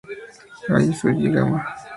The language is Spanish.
Ai Sugiyama